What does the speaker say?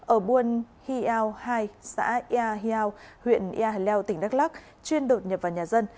ở buôn hiau hai xã yà hiau huyện yà hà leo tỉnh đắk lắc chuyên đột nhập vào nhà dân